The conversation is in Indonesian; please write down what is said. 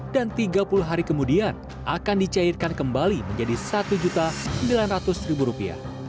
dan tiga puluh hari kemudian akan dicairkan kembali menjadi satu sembilan ratus rupiah